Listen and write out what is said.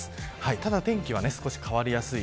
ただ、天気は少し変わりやすい。